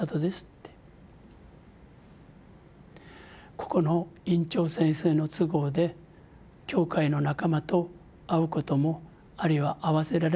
ここの院長先生の都合で教会の仲間と会うこともあるいは会わせられないこともあります。